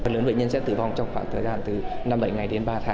lớn bệnh nhân sẽ tử vong trong khoảng thời gian từ năm bảy ngày